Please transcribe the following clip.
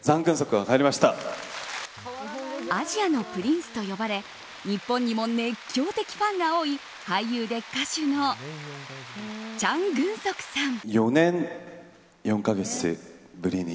アジアのプリンスと呼ばれ日本にも熱狂的ファンが多い俳優で歌手のチャン・グンソクさん。